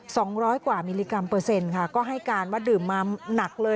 สองร้อยกว่ามิลลิกรัมเปอร์เซ็นต์ค่ะก็ให้การว่าดื่มมาหนักเลย